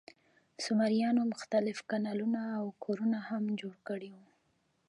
سومریانو مختلف کانالونه او کورونه هم جوړ کړي وو.